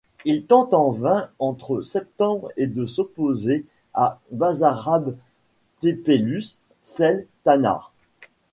Il tente en vain entre septembre et de s'opposer à Basarab Țepeluș cel Tânăr.